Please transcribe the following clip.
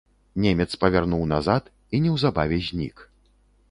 Немец павярнуў назад і неўзабаве знік.